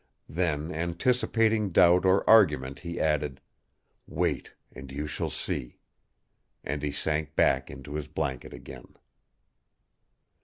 Then anticipating doubt or argument he added: "'Wait, and you shall see!' and he sank back into his blanket again.